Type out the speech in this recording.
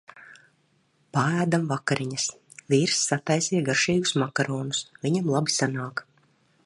Paēdam vakariņas. Vīrs sataisīja garšīgus makaronus, viņam labi sanāk.